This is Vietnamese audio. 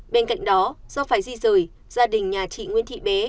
bên cạnh đó do phải di rời gia đình nhà chị nguyễn thị bé